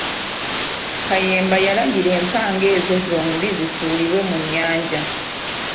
Kayemba yalagira empanga ezo zombi zisuulibwe mu nnyanja.